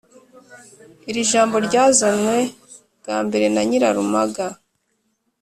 Iri jambo ryazanywe bwa mbere na Nyirarumaga.